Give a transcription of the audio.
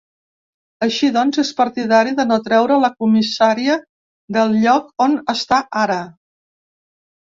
Així doncs, és partidari de no treure la comissaria del lloc on està ara.